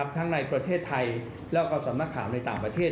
ทั้งในประเทศไทยแล้วก็สำนักข่าวในต่างประเทศ